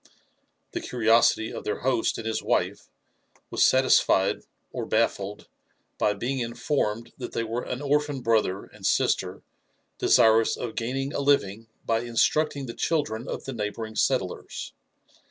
The curiosity of their host and his wife was satisfied or baffled by 5 66 LIFE AND ADVENTURES OF being iDformed that they were an orphan brother and aisler desifoug of gaining a living by instructing the children of the neighbouring settlers.